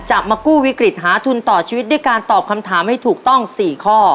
มากู้วิกฤตหาทุนต่อชีวิตด้วยการตอบคำถามให้ถูกต้อง๔ข้อ